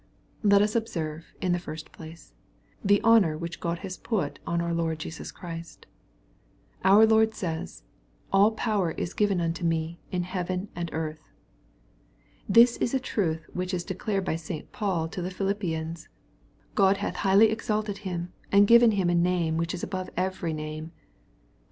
Let us observe, in the first place, the honor which God has put on our Lord Jesus Christ. Our Lord says, " all power is given unto me, in heaven and earth.'' This is a truth which is declared by St. Paul to the Philippians, " God hath highly exalted Him and given Him a name which is above every name." (Phil.